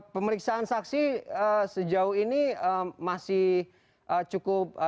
pemeriksaan saksi sejauh ini masih cukup